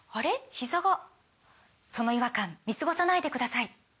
ひざがその違和感見過ごさないでください